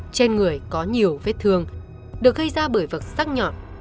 trên người có nhiều vết thương được gây ra bởi vật sắc nhọn